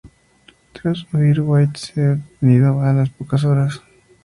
Tras huir, White fue detenido a las pocas horas.